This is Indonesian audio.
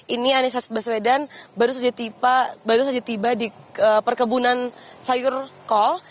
ini anissa baswedan baru saja tiba di perkebunan sayur kol